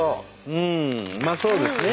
うんうまそうですね